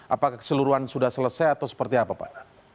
apakah keseluruhan sudah selesai atau seperti apa pak